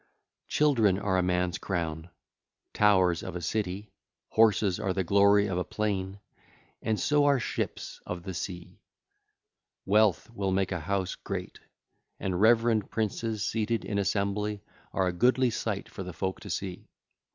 1 6) Children are a man's crown, towers of a city; horses are the glory of a plain, and so are ships of the sea; wealth will make a house great, and reverend princes seated in assembly are a goodly sight for the folk to see.